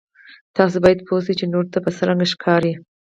تاسو باید پوه شئ چې نورو ته به څرنګه ښکارئ.